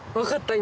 今。